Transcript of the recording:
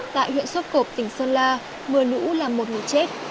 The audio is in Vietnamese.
tại huyện xuất cộp tỉnh sơn la mưa lũ là một người chết